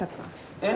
えっ？